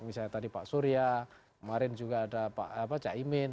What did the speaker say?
misalnya tadi pak surya kemarin juga ada pak caimin ada banyak lah dari elit tkn itu